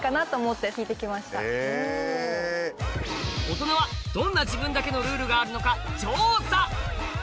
大人はどんな自分だけのルールがあるのか調査！